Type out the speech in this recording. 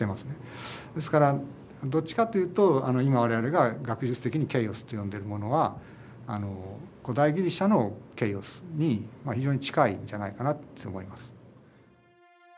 ですからどっちかというと今我々が学術的にケーオスと呼んでいるものは古代ギリシャのケーオスに非常に近いんじゃないかなって思います。